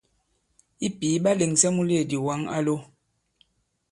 I pǐ, ɓa lèŋsɛ la mùleèdì wǎŋ a lo.